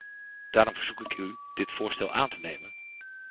Daarom verzoek ik u dit voorstel aan te nemen.